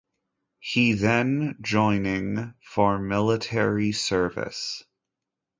He then joining for military service.